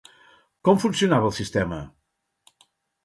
Com funcionava el sistema?